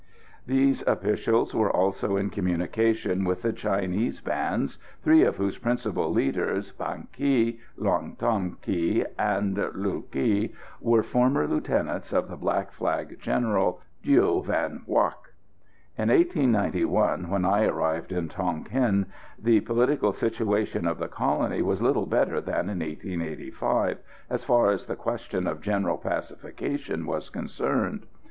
These officials were also in communication with the Chinese bands, three of whose principal leaders, Ba Ky, Luong Tam Ky and Luu Ky, were former lieutenants of the old Black Flag General, Lieu Vinh Phuoc. In 1891, when I arrived in Tonquin, the political situation of the colony was little better than in 1885, so far as the question of general pacification was concerned.